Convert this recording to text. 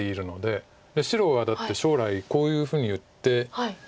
白はだって将来こういうふうに打って。